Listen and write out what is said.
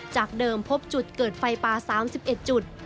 จากเดิมพบจุดเกิดไฟป่า๓๑จุด